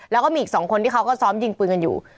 แล้วก็มีอีก๒คนที่เขาก็ซ้อมยิงปืนกันอยู่